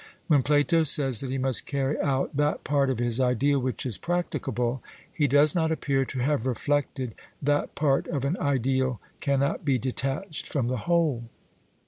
When Plato says that he must carry out that part of his ideal which is practicable, he does not appear to have reflected that part of an ideal cannot be detached from the whole.